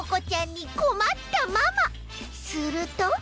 すると！